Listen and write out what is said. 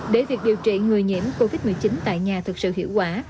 để việc điều trị người nhiễm covid một mươi chín tại nhà thực sự hiệu quả